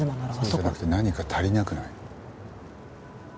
そうじゃなくて何か足りなくない？